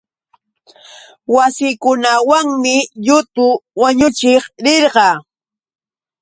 Massikunawanmi yutu wañuchiq rirqaa.